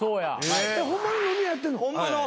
ホンマの飲み屋やってんの？